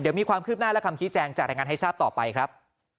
เดี๋ยวมีความคืบหน้าและคำชี้แจงจากรายงานให้ทราบต่อไปครับ